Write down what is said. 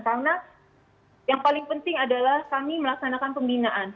karena yang paling penting adalah kami melaksanakan pembinaan